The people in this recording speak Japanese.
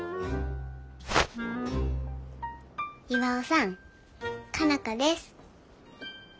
巌さん佳奈花です。